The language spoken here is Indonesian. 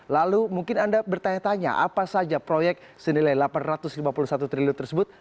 lalu mungkin anda bertanya tanya apa saja proyek senilai rp delapan ratus lima puluh satu triliun tersebut